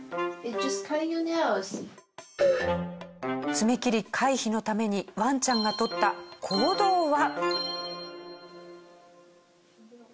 爪切り回避のためにワンちゃんがとった行動は。